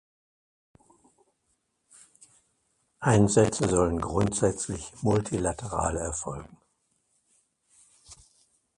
Einsätze sollen grundsätzlich multilateral erfolgen.